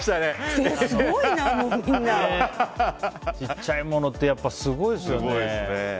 ちっちゃいものってやっぱりすごいですよね。